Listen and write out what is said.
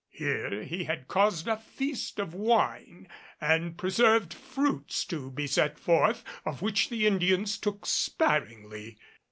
Here he had caused a feast of wine and preserved fruits to be set forth, of which the Indians took sparingly.